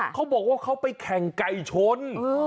เขาบอกว่าเขาไปแข่งไก่ชน